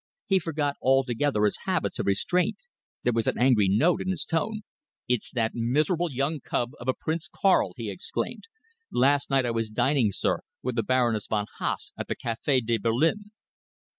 He forgot altogether his habits of restraint. There was an angry note in his tone. "It's that miserable young cub of a Prince Karl!" he exclaimed. "Last night I was dining, sir, with the Baroness von Haase at the Café de Berlin."